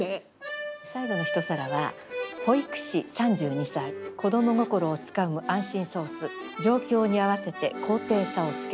最後の一皿は「保育士３２歳子供心をつかむ安心ソース状況に合わせて高低差をつけて」。